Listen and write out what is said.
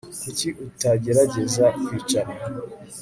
Kuki utagerageza kwicara